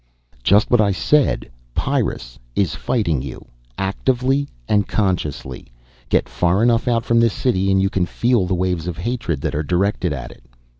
_" "Just what I said. Pyrrus is fighting you actively and consciously. Get far enough out from this city and you can feel the waves of hatred that are directed at it.